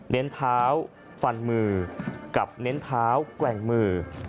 เน้นเท้าฟันมือกับเน้นเท้าแกว่งมือ